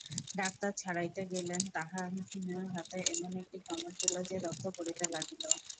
Doctor ছাড়াইতে গেলেন, তাঁহার হাতে এমন একটি কামড় দিল যে রক্ত পড়িতে লাগিল।